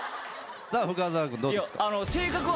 さあ深澤君どうですか？